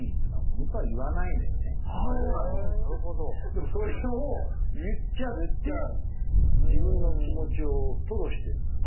でもそれを言っちゃって自分の気持ちを吐露してるという句。